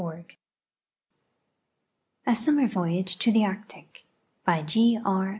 4 A SUMMER VOYAGE TO THE ARCTIC By G. R.